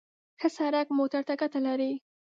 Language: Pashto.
ښه سړک موټر ته ګټه لري.